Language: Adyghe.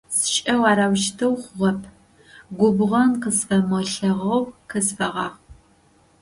Сшӏэу арэущтэу хъугъэп! Губгъэн къысфэмылъэгъоу къысфэгъэгъу.